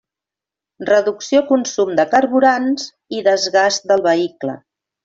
Reducció consum de carburants i desgast del vehicle.